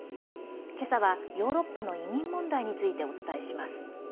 今朝はヨーロッパの移民問題についてお伝えします。